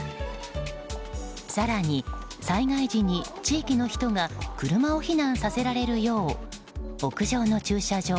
更に、災害時に地域の人が車を避難させられるよう屋上の駐車場